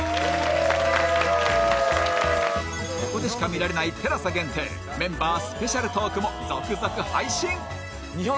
ここでしか見られない ＴＥＬＡＳＡ 限定メンバースペシャルトークも続々配信！